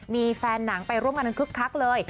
มีแฟนหนังไปร่วมกันคึกคักเลย